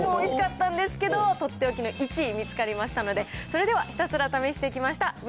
どれもおいしかったんですけど、取って置きの１位、見つかりましたので、それでは、ひたすら試してきました。